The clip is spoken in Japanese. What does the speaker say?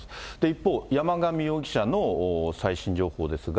一方、山上容疑者の最新情報ですが。